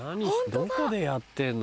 どこでやってんの？